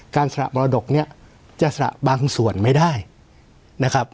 สระมรดกเนี่ยจะสระบางส่วนไม่ได้นะครับ